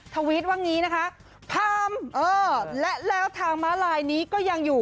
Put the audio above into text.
ทาวีดว่าพามแล้วทางม้าลายนี้ก็ยังอยู่